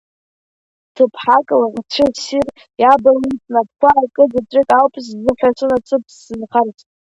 Ҭыԥҳак лыхцәы ссир иабылуеит снапқәа, акы заҵәык ауп сзыҳәо сынасыԥ сзынхарц…